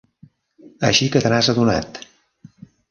Així que te n"has adonat!